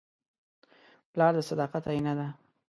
پلار د صداقت آیینه ده.